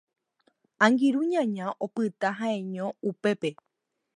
Angirũ ñaña opyta ha'eño upépe